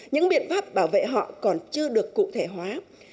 những biện pháp bảo vệ họ còn chưa được cụ thể hóa